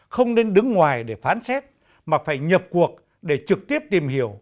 không nên đứng ngoài để phán xét mà phải nhập cuộc để trực tiếp tìm hiểu